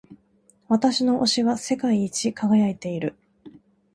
私の押しは世界一輝いている。